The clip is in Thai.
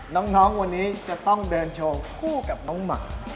น้องวันนี้จะต้องเดินโชว์คู่กับน้องหมาก